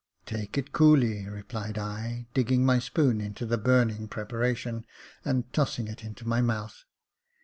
" Take it coolly," replied I, digging my spoon into the burning preparation, and tossing it into my mouth.